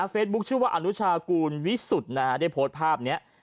เฟซบุ๊กชื่อว่าอนุชากูลวิสุทธิ์ได้โพสต์ภาพนี้